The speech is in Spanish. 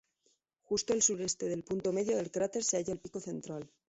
Justo al sureste del punto medio del cráter se halla el pico central.